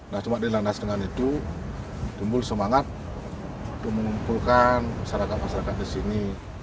nah cuma dilandas dengan itu tumbuh semangat untuk mengumpulkan masyarakat masyarakat di sini